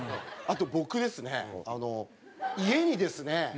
あと僕ですね家にですね